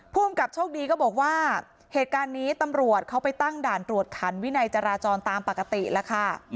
ภูมิกับโชคดีก็บอกว่าเหตุการณ์นี้ตำรวจเขาไปตั้งด่านตรวจขันวินัยจราจรตามปกติแล้วค่ะ